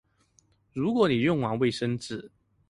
如果你用完衛生紙